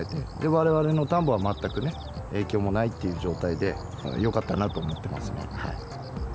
われわれの田んぼは全くね、影響もないという状態で、よかったなと思ってますね。